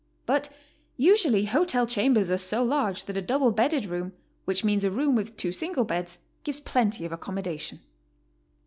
But usually hotel chambers are so large that a double bedded room (which means a room with two single beds) gives plenty of accom modation.